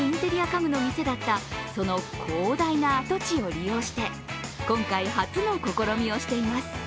家具の店だったその広大な跡地を利用して今回、初の試みをしています。